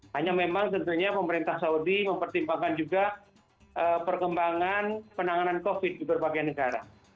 hanya memang tentunya pemerintah saudi mempertimbangkan juga perkembangan penanganan covid di berbagai negara